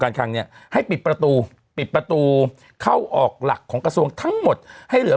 คังเนี่ยให้ปิดประตูปิดประตูเข้าออกหลักของกระทรวงทั้งหมดให้เหลือ